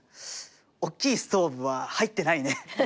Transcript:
おっきいストーブは入ってないね。